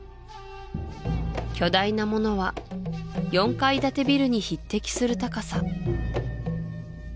巨大なものは４階建てビルに匹敵する高さ